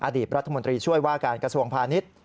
อดีตรัฐมนตรีช่วยว่าการกระทรวงพาณิชย์